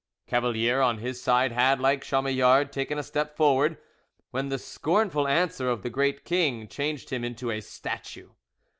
Cavalier on his side had, like Chamillard, taken a step forward, when the scornful answer of the great king changed him into a statue.